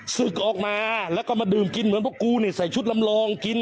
ศึกออกมาแล้วก็มาดื่มกินเหมือนพวกกูใส่ชุดลำลองกิน